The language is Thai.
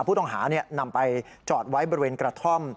ผู้ต้องหานำไปจอดไว้บริเวณกระท่อม